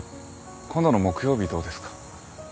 今度の木曜日どうですか？